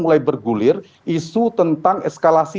mulai bergulir isu tentang eskalasi